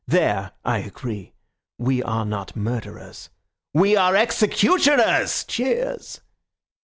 There I agree. We are not murderers, we are executioners (cheers)."